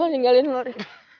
mutta kalau dia dari